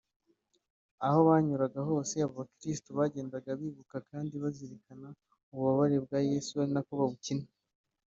Aho banyuraga hose abo bakirisitu bagendaga bibuka kandi bazirikana umubabare bwa Yezu ari nako babukina